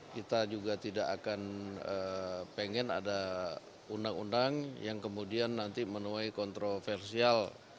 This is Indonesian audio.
kita juga tidak akan pengen ada undang undang yang kemudian nanti menuai kontroversial